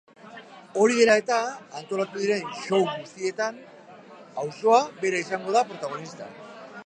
Hori dela eta, antolatu diren show guztietan auzoa bera izango da protagonista.